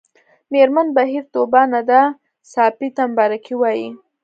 مېرمن بهیر طوبا ندا ساپۍ ته مبارکي وايي